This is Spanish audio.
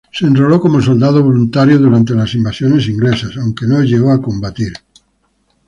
Se enroló como soldado voluntario durante las Invasiones Inglesas, aunque no llegó a combatir.